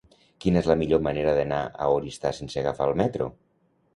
Quina és la millor manera d'anar a Oristà sense agafar el metro?